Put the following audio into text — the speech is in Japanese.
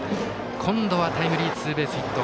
今度はタイムリーツーベースヒット。